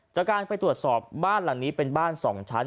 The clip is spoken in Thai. จากการไปตรวจสอบบ้านหลังนี้เป็นบ้าน๒ชั้น